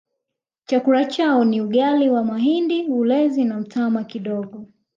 Chakula chao ni ugali wa mahindi ulezi na mtama kidogo